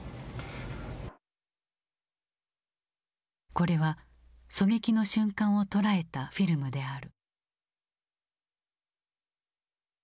これは狙撃の瞬間を捉えたフィルムである。